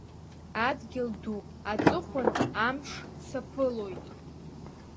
Адгьыл ду аҵыхәан амш саԥылоит.